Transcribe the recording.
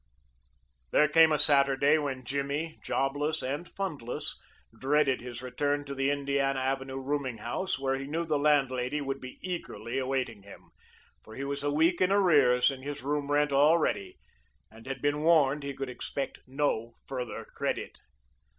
There came a Saturday when Jimmy, jobless and fundless, dreaded his return to the Indiana Avenue rooming house, where he knew the landlady would be eagerly awaiting him, for he was a week in arrears in his room rent already, and had been warned he could expect no further credit.